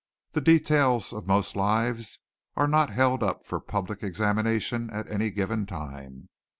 The details of most lives are not held up for public examination at any given time.